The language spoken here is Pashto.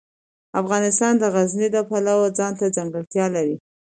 افغانستان د غزني د پلوه ځانته ځانګړتیا لري.